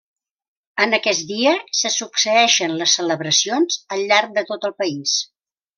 En aquest dia se succeeixen les celebracions al llarg de tot el país.